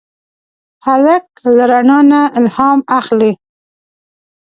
هلک له رڼا نه الهام اخلي.